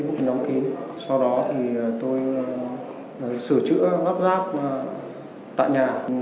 đều được sửa chữa lắp sáp tại nhà